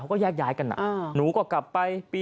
เขาก็แยกย้ายกันหนูก็กลับไป